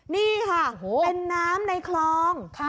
นี่ค่ะเป็นน้ำในคลอง